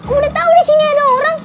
udah tau disini ada orang